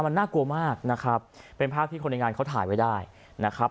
มันน่ากลัวมากนะครับเป็นภาพที่คนในงานเขาถ่ายไว้ได้นะครับ